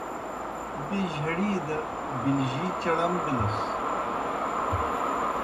بیْہ جھڑی دہ بِلجِی چڑم بِلَس۔